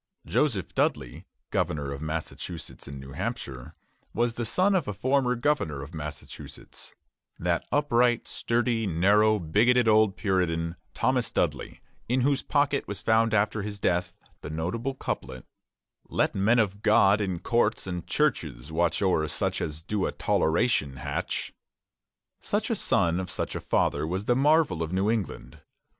Joseph Dudley, governor of Massachusetts and New Hampshire, was the son of a former governor of Massachusetts, that upright, sturdy, narrow, bigoted old Puritan, Thomas Dudley, in whose pocket was found after his death the notable couplet, "Let men of God in courts and churches watch O'er such as do a toleration hatch." Such a son of such a father was the marvel of New England.